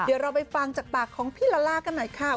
เดี๋ยวเราไปฟังจากปากของพี่ลาล่ากันหน่อยค่ะ